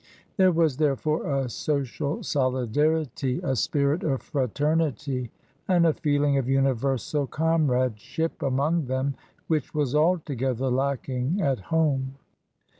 There was, therefore, a social solidarity, a spirit of fraternity, and a feeling of universal comrade ship among them which was altogether lacking at home.